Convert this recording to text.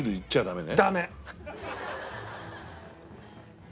ダメ！